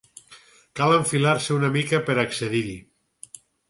Cal enfilar-se una mica per accedir-hi.